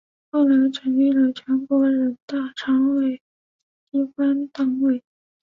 后来成立了全国人大常委会机关党委。